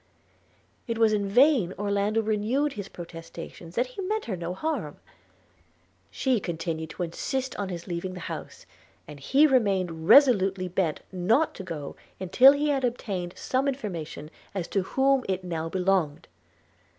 It was in vain Orlando renewed his protestations that he meant her no harm; she continued to insist on his leaving the house, and he remained resolutely bent not to go till he had obtained some information as to whom it now belonged.